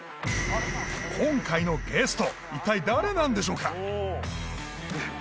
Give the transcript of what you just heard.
今回のゲスト一体誰なんでしょうか